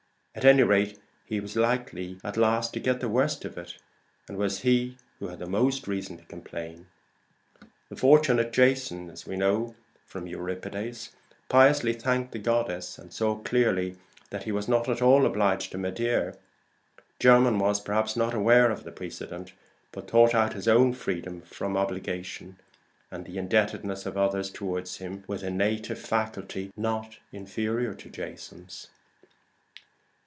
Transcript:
At any rate, he was likely at last to get the worst of it, and it was he who had most reason to complain. The fortunate Jason, as we know from Euripides, piously thanked the goddess, and saw clearly that he was not at all obliged to Medea; Jermyn was, perhaps, not aware of the precedent, but thought out his own freedom from obligation and the indebtedness of others toward him with a native faculty not inferior to Jason's.